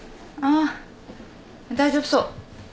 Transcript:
ああ大丈夫そう。